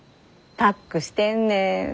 パックしてんねん。